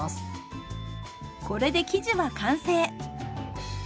これで生地は完成。